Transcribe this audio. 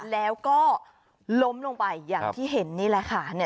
แล้วก็ล้มลงไปอย่างที่เห็นนี่แหละค่ะ